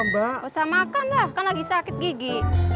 nggak usah makan lah kan lagi sakit gigi